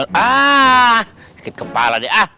likit kepala deh